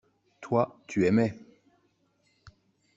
Toi, tu aimais.